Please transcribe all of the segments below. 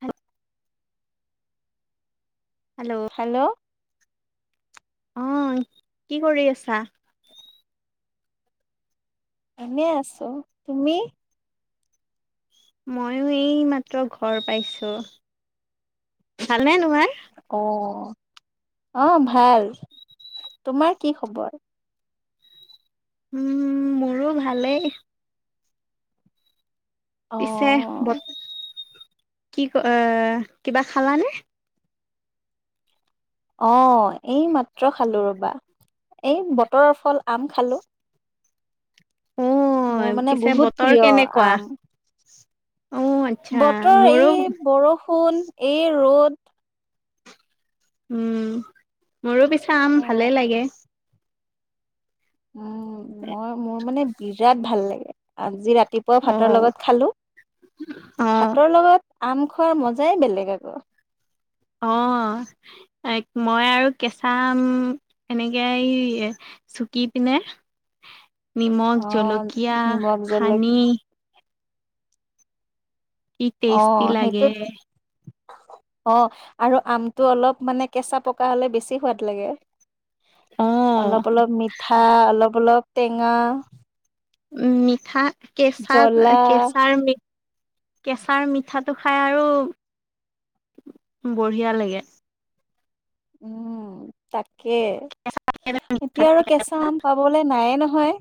Hello hello hello অ'হ কি কৰি আছা? এনেই আছো, তুমি? ময়ো এই মাত্ৰ ঘৰ পাইছো, ভালনে তোমাৰ? অহ, অ' ভাল তোমাৰ কি খবৰ? উম মোৰো ভালেই। অ'। পিছে বত কি ক এ', কিবা খালা নে? অহ', এই মাত্ৰ খালো ৰবা, এই বতৰৰ ফল আম খালোঁ। অ মোৰ মানে পিছে বহুত বতৰ প্ৰিয় কেনেকুৱা আম। অ আচ্ছা বতৰ মোৰো এই বৰষুণ এই ৰ'দ। উম, মোৰো পিছে আম অ' ভালেই লাগে। উম, মই মই মোৰ মানে বিৰাট ভাল লাগে আজি ৰাতি। পুৱা অ ভাতৰ লগত খালোঁ, অ ভাতৰ লগত আম খোৱাৰ মজাই বেলেগ আকৌ। অহ', মই আৰু কেঁচা আম এনেকে এই চুকি পিনে। নিমখ অ' জলকীয়া নিমখ জলক সানি। কি টেষ্টি লাগে। অহ', আৰু আমটো অলপ মানে কেঁচা পকা হলে বেছি সোৱাদ লাগে। অ'। অলপ অলপ মিঠা অলপ অলপ টেঙা। উম, মিঠা কেঁচা জ্বলা কেঁচাৰ মি কেঁচাৰ মিঠাটো খাই আৰু, বঢ়িয়া লাগে। উম তাকে। কেঁচা থাকে জানোঁ। এতিয়া আৰু কেঁচা আম পাবলে নাইয়ে নহয়।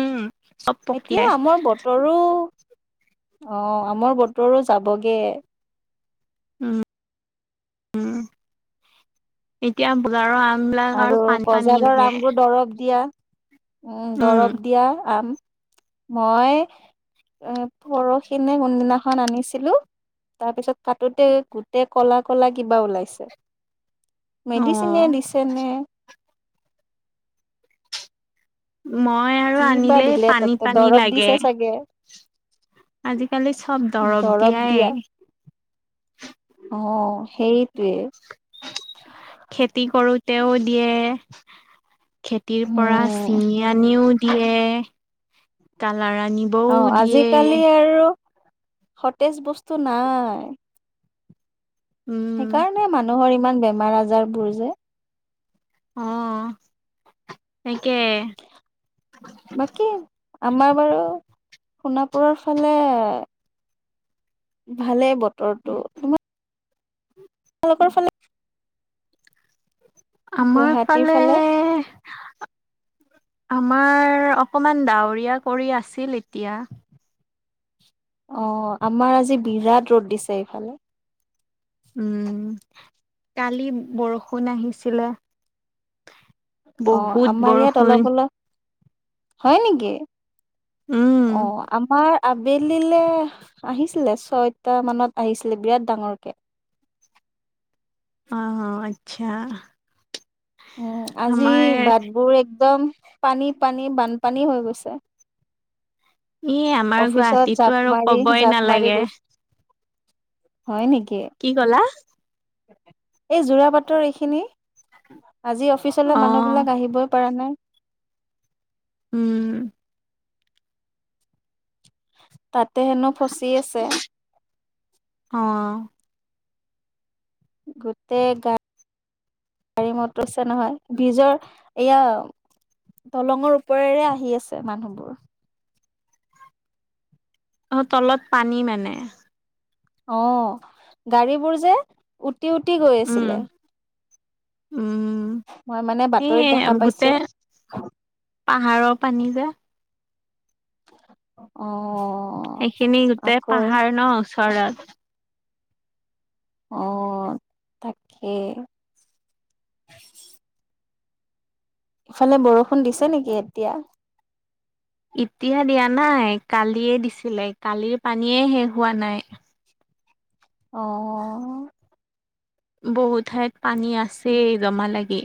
উম। এতিয়া আমৰ বতৰো, অহ' আমৰ বতৰো যাবগে। উম, উম। এতিয়া বজাৰৰ আম বিলাক আৰু পানী পানী বজাৰৰ লাগে। আমবোৰ দৰৱ দিয়া, উম দৰৱ দিয়া আম, মই। এ, পৰহি নে কোনদিনাখন আনিছিলোঁ। তাৰ পিছত কাটোতে গোটেই ক'লা ক'লা কিবা ওলাইছে। মেডিচিনে অ'। দিছে নে? মই আৰু কি বা আনিলে দিলে পানী তাতে পানী দৰৱ দিছে লাগে। চাগে আজিকালি চব দৰৱ দিয়াই। অহ', সেইটোৱে। খেতি কৰোঁতেও দিয়ে, খেতিৰ পৰা। উম বিনি‌ আনিও দিয়ে, কালাৰ আনি অ আজিকালি আৰু সতেজ বস্তু নাই উম সেইকাৰণে মানুহৰ ইমান বেমাৰ আজাৰ বোৰ যে অ‌ তাকে বাকী‌ আমাৰ বাৰু সোণাপুৰৰ ফালে ভালে বতৰটো তোমালোকৰ ফালে আমাৰ ফালে আমাৰ অকমান ডাৱৰীয়া কৰি আছিল এতিয়া অ আমাৰ আজি বিৰাট ৰ'দ দিছে এইফালে উম কালি বৰষুণ আহিছিলে অ বহুত আমাৰ ইয়াত বৰষুণ অলপ অলপ হয় নেকি উম অ আমাৰ আবেলিলে আহিছিলে ছয়টা মানত আহিছিলে বিৰাট ডাঙৰকে অহ আচ্ছা উম আজি আমাৰ বাতবোৰ একদম পানী পানী বানপানী হৈ গৈছে ই আমাৰ অফিচত গুৱাহাটীতো জাপ আৰু মাৰি কবই জাপ মাৰি নালাগে গৈছ হয় নেকি কি কলা এই যোৰা বাটৰ এইখিনি আজি অফিচলৈ অ মানুহ বিলাক আহিবই পৰা নাই উম তাতে হেনো ফচি আছে অ গোটেই গা গাড়ী মতৰছে নহয় বীজৰ এয়া দলঙৰ ওপৰেৰে আহি আছে মানুহবোৰ অ তলত পানী মানে অ গাড়ী বোৰ যে উটি উটি গৈ উম আছিলে উম মই মানে বাতৰিত এই দেখা পাইছো গোটেই পাহাৰৰ পানী যে অ সেইখিনি গোটেই আকৌ পাহাৰ ন ওচৰত অ তাকে ইফালে বৰষুণ দিছে নেকি এতিয়া এতিয়া দিয়া নাই কালিয়ে দিছিলে কালিৰ পানীয়ে শেষ হোৱা নাই অ বহুত ঠাইত পানী আছে জমা লাগি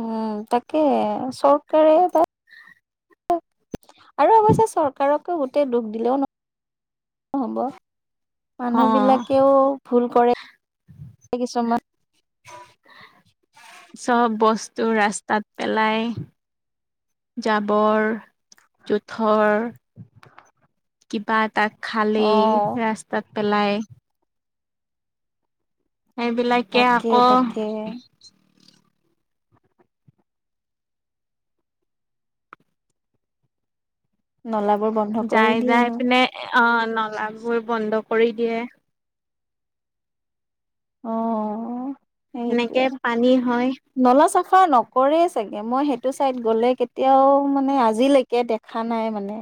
উম তাকে চৰকাৰে বা আৰু অৱশ্যে চৰকাৰকো গোটেই দুখ দিলেও নহ নহ'ব অ মানুহ বিলাকেও ভুল কৰে কিছুমান চব বস্তু ৰাস্তাত পেলাই জাবৰ জোথৰ কিবা এটা খালেই অ' ৰাস্তাত পেলাই সেইবিলাকে আক এ নলাবোৰ বন যাই যাই পিনে অ নলাবোৰ বন্ধ কৰি দিয়ে। অ। সেনেকে সেইটোয়ে পানী হয়। নলা চাফা নকৰে চাগে মই সেইটো চাইদ গ'লে কেতিয়াও মানে আজিলৈক- কে দেখা নাই মানে।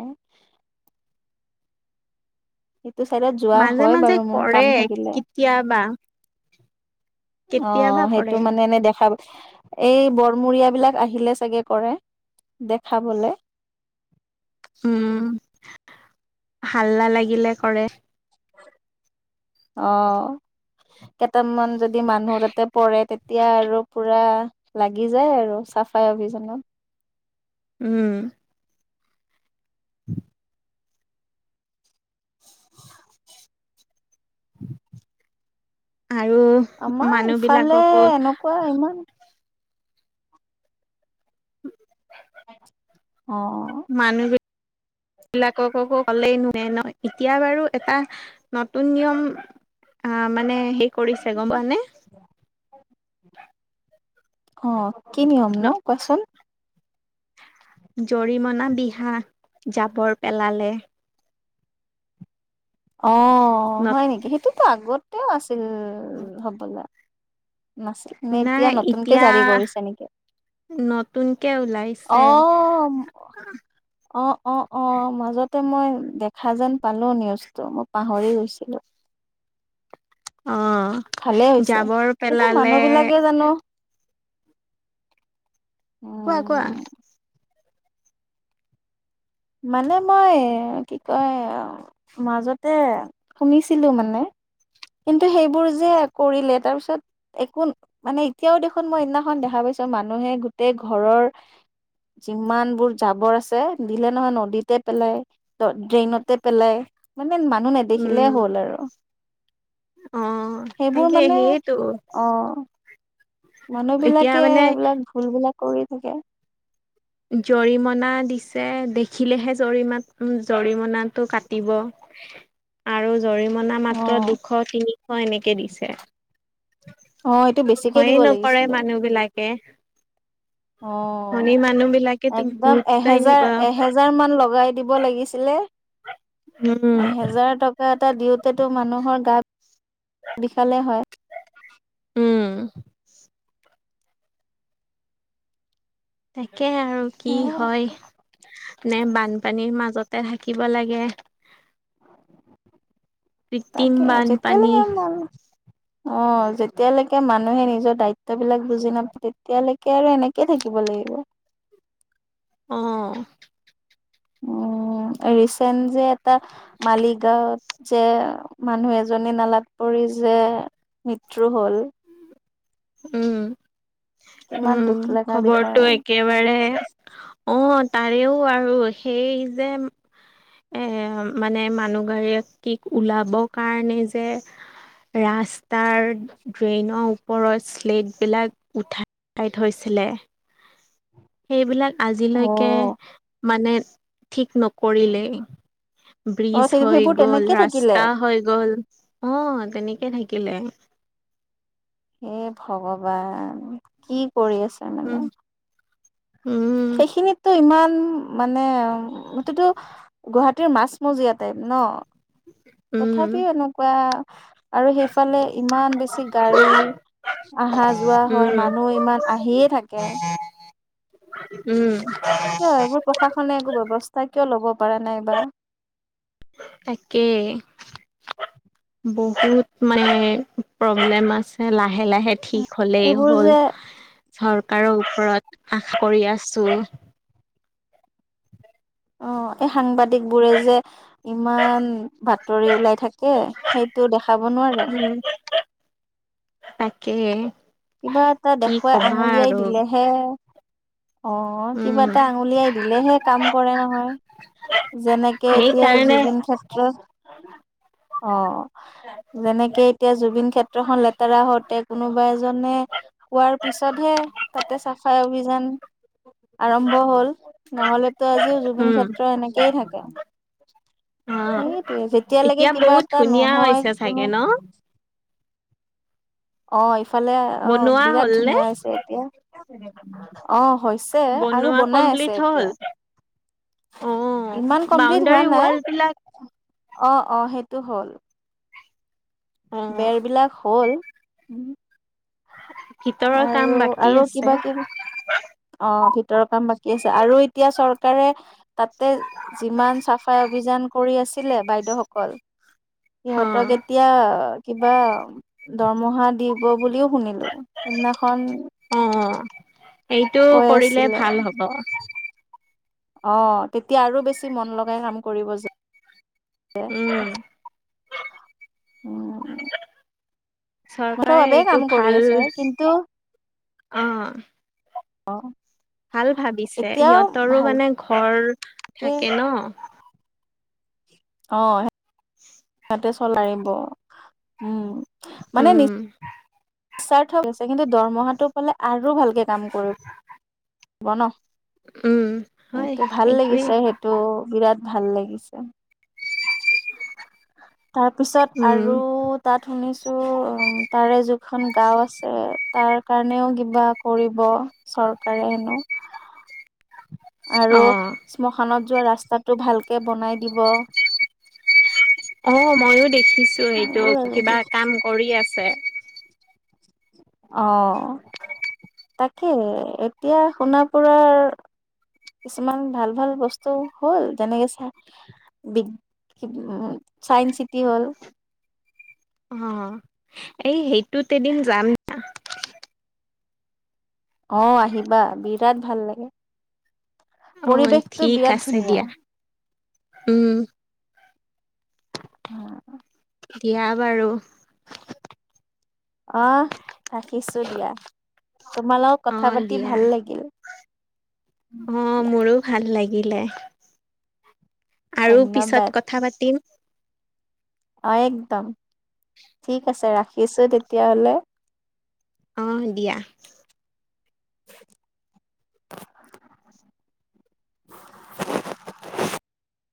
সিটো ছাইডত মাজে মাজে কৰে কেতিয়াবা। অ কেতিয়াবা সেইটো কৰে মানে এনে দেখাব এই বৰমূৰিয়াবিলাক আহিলে চাগে কৰে, দেখাবলে। উম, হাল্লা লাগিলে কৰে। অ কেইটামান যদ- যদি মানুহ তাতে পৰে তেতিয়া আৰু পুৰা লাগি যায় আৰু চাফাই অভিযানত উম। [inaudible] [inaudible] আৰু আমাৰ মানুহ ইফালে বিলাককো এনেকুৱা ইমান অ। মানুহ বি বিলাকককো ক'লেই নৱে নয়। এতিয়া বাৰু এটা নতুন নিয়ম আহ মানে সে- কৰিছে গম পোৱা নে? অ কি নিয়ম নো কোৱাচোন? জৰিমনা বিহা, জাবৰ পেলালে। অ ন হয় নেকি? সেইটোত আগতেও আছিল হ'বলা। নাছিল মে নাই এতিয়া নতুনকে এতিয়া জাৰি কৰিছে নেকি? নতুনকে ওলাইছে। অ অ অ অ মাজতে মই দেখা যেন পালোঁ নিউজটো মই পাহৰি গৈছিলো। অ ভালে হৈছে জাবৰ কিন্তু পেলালে মানুহ বিলাকে জানো কোৱা কোৱা? উম মানে মই কি কয় মাজতে শুনিছিলো মানে। কিন্তু সেইবোৰ যে কৰিলে তাৰপিছত একো মানে এতিয়াও দেখোন মই ইদিনাখন দেখা পাইছো মানুহে গোটেই ঘৰৰ যিমানবোৰ জাবৰ আছে দিলে নহয় নদীতে পেলাই। ত ড্ৰেইনতে পেলাই মানে মানুহ নেদেখিলে উম হ'ল আৰু। অ সেইবোৰ তাকে মানে সেইয়েটো অ'। মানুহ বিলাকে এইবিলাক ভুলবিলাক কৰি থাকে। জৰিমনা দিছে দেখিলেহে জৰিমাত জৰিমনাটো কাটিব। আৰু জৰিমনা অ মাত্ৰ দুশ তিনিশ এনেকে দিছে। অ এইটো বেছিকে দিব ভয়েই নকৰে লাগিছিলে মানুহ বিলাকে। অ ধনী মানুহ বিলাকে একদম গুৰুত্বই এহেজাৰ নিবা এহেজ- জাৰ মান লগাই দিব লাগিছিলে। উম এহেজাৰ টকা এটা দিওতেটো মানুহৰ গাত বিশালে হয়। উম। তাকে আৰু কি হয় নে বানপানীৰ মাজত তে থাকিব লাগে কৃত্ৰিম তাকে বানপানী। যেতিয়ালৈকে মান অ যেতিয়ালৈকে মানুহে নিজৰ দায়িত্ববিলাক বুজি নাপায় তেতিয়ালৈকে কে আৰু এনেকেই থাকিব লাগিব। অ। উম ৰিচেণ্ট যে এটা মালিগাঁৱত যে মানুহ এজনী নালাত পৰি যে মৃত্যু হ'ল উম কিমান দুখ উম লগা খবৰটো বিষয় একেবাৰে অ তাৰেও আৰু সেই যে মানে মানুহগৰাকীক ওলাব কাৰণে যে ৰাস্তাৰ ড্ৰেইনৰ ওপৰত শ্লেটবিলাক উঠাই উঠাই থৈছিলে। সেইবিলাক আজিলৈকে অ' মানে ঠিক নকৰিলেই। অ' ব্ৰিজ সেই হৈ সেইবোৰ গ'ল, তেনেকে থাকিলে ৰাস্তা হৈ গ'ল অ তেনেকে থাকিলে। হে ভগৱান কি কৰি আছ উম উম। সেইখিনিতটো ইমান মানে সেইটোটো গুৱাহাটীৰ মাছমজিয়াতে ন উম তথাপিও এনেকুৱা। আৰু সেইফালে ইমান বেছি গাড়ী আহা যোৱা হয়, উম মানুহ ইমান আহিয়ে থাকে। উম। কিয় এইবোৰ প্ৰশাসনে একো ব্যৱস্থা কিয় ল'ব পৰা নাই বা? তাকে। বহুত মানে প্ৰব্লেম আছে লাহে লাহে। ঠিক হ'লেই এইবোৰ হ'ল যে চৰকাৰৰ ওপৰত আশা কৰি আছো। অ এই সাংবাদিকবোৰে যে ইমান বাতৰি ওলাই থাকে সেইটো দেখাব নোৱাৰে। [unintelligible] তাকে। কিবা এটা কি দেখুৱাই কবা আঙুলিয়াই আৰু দিলেহে অ কিবা উম এটা আঙুলিয়াই দিলেহে কাম কৰে নহয়। যেনেকে এতিয়া সেইকাৰণে জুবিন ক্ষেত্ৰত অ যেনেকে এতিয়া জুবিন ক্ষেত্ৰখন লেতেৰা হওঁতে কোনোবা জনে কোৱাৰ পিছতহে তাতে চাফাই অভিযান আৰম্ভ হ'ল নহ'লে টো আজিও জুবিন উম ক্ষেত্ৰ এনেকেইে থাকে। অ সেইটোৱে যেতিয়ালৈকে এতিয়া কিবা বহুত এটা ধুনীয়া নহয় হৈছে চাগে কোনো ন অ ইফালে অ বনোৱা বিৰাট হ'ল নে? ধুনীয়া হৈছে এতিয়া অ হৈছে তে আৰু বনোৱা বনাই কমপ্লিট আছে হ'ল? এতিয়া। অ', ইমান কমপ্লিট হোৱা বাউণ্ডাৰী নাই ৱাল বিলাক অ অ সেইটো হ'ল। অ', বেৰবিলাক হ'ল উম। ভিতৰৰ কাম আৰু বাকী আৰু আছে। কিবা কিবি অ ভিতৰৰ কাম বাকী আছে আৰু এতিয়া চৰকাৰে তাতে যিমান চাফাই অভিযান কৰি আছিলে বাইদেউসকল সিহতক অ', এতিয়া কিবা দৰমহা দি শিব বুলিও শুনিলো সিদিনাখন অ এইেইটো কৰিলে আছিলে ভাল হ'ব অ তেতিয়া আৰু বেছি মন লগাই কাম কৰিব যে উম, উম মুঠৰ চৰকাৰে বাবে এইটো কাম কৰি ভাল আছে কিন্তু অ', আহ ভাল ভাবিছে সিহঁতৰো ভালকে মানে ঘৰ থাকে ন অ [unintelligible] চল উম মানে নি উম, াৰ্থছে কিন্তু দৰমহাটো পালে আৰু ভালকে কাম কৰিব হব ন উম, হয় সেইটো ভাল সেইটোৱে লাগিছে সেইটো বিৰাট ভাল লাগিছে [inaudible] তাৰপিছত উম, আৰু তাত শুনিছো উ তাৰে য এখন গাঁও আছে তাৰ কাৰণেও কিবা কৰিব চৰকাৰে হেনো আৰু অ', শ্মশানত যোৱা ৰাস্তাটো ভালকে বনাই দিব অ মইো দেখিছো এইটো এইবোৰ আৰু কিবা বহু কাম কৰি আছে অ তাকে এতিয়া সোণাপুৰৰ কিছুমান ভাল ভাল বস্তু হ'ল যেনেকে চ চাইণ চিটি হ'ল অ এই সেইটো তে এদিন যাম অ আহিবা বিৰাট ভাল লাগে অ পৰিৱেশতটো ঠিক বিৰাট আছে ধুনীয়া দিয়া উম অ দিয়া বাৰু আহ ৰাখিছো দিয়া তোমালোক অ কথা পাতি দিয়া ভাল লাগিল অ এতিয়া মোৰো ভাল লাগিলে আৰু ধন্যবাদ পিছত কথা পাতিম অ একদম ঠিক আছে ৰাখিছো তেতিয়াহলে অঁ দিয়া [unintelligible] [unintelligible]